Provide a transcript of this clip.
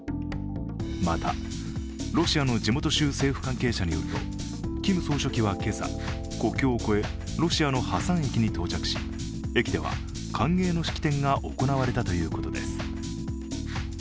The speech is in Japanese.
またロシアの地元州政府関係者によると、キム総書記は今朝、国境を越え、ロシアのハサン駅に到着し駅では歓迎の式典が行われたということです。